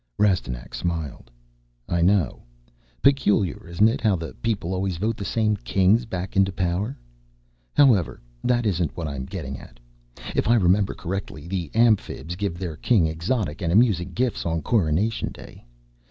Rastignac smiled. "I know. Peculiar, isn't it, how the 'people' always vote the same Kings back into power? However, that isn't what I'm getting at. If I remember correctly, the Amphibs give their King exotic and amusing gifts on coronation day.